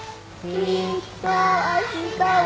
「きっとあしたは」